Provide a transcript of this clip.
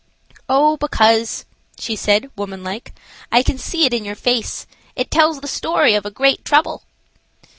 "Oh, because," she said, womanlike, "I can see it in your face. It tells the story of a great trouble."